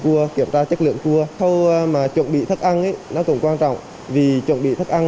cua kiểm tra chất lượng cua khâu mà chuẩn bị thức ăn nó cũng quan trọng vì chuẩn bị thức ăn